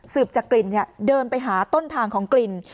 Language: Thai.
จากกลิ่นเดินไปหาต้นทางของกลิ่น